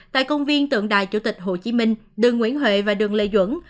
tại công viên tượng đài chủ tịch hồ chí minh đường nguyễn huệ và đường lê duẩn